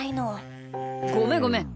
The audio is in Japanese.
ごめんごめん。